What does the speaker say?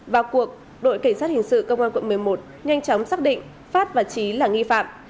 vào cuộc đội cảnh sát hình sự công an quận một mươi một nhanh chóng xác định phát và trí là nghi phạm